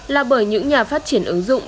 là bởi những nhà phát triển ứng dụng